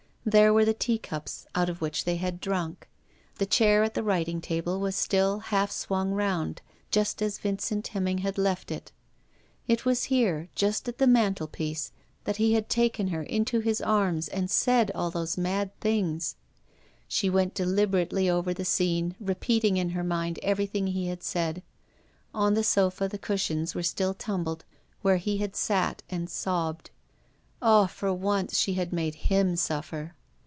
There were the teacups out of which they had drunk; the chair at the writing table was still half swung round, just as Vincent Hemming had left it. It was here, just at the mantelpiece, that he had taken her into his arms and said all those mad things. She went deliberately over the scene, repeating in her mind every thing he had said. On the sofa the cushions were still tumbled where he had sat and sobbed. Ah, for once, she had made him suffer!